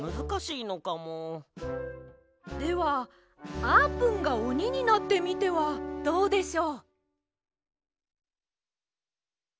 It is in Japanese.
ではあーぷんがおにになってみてはどうでしょう？